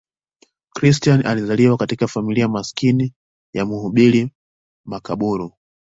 Christian alizaliwa katika familia maskini ya mhubiri makaburu.